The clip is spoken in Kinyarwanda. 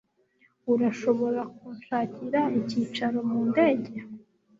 Urashobora kunshakira icyicaro mu ndege?